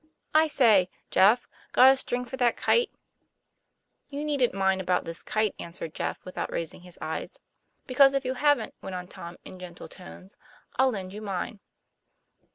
" I say, Jeff, got a string for that kite?" " You needn't mind about this kite, " answered Jeff, without raising his eyes. TOM PLA YFAIR, 23 ''Because, if you haven't," went on Tom in gentle tones, "I'll lend you mine."